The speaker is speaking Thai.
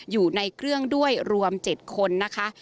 อยู่ในเครื่องด้วยรวม๗คนนะคะ